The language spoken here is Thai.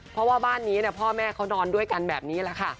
เพราะว่าบ้านนี้พ่อแม่เขานอนด้วยกันแบบนี้แหละค่ะ